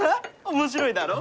面白いだろ？